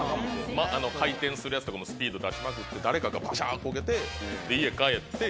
回転するやつとかもスピード出しまくって誰かがバシャンこけて家帰って。